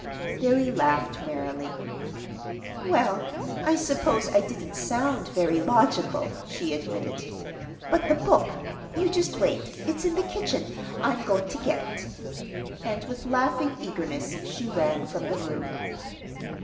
Billy laughed merrily. "Well, I suppose I didn't sound very logical," she admitted. "But the book you just wait. It's in the kitchen. I'm going to get it." And with laughing eagerness she ran from the room.